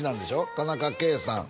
田中圭さん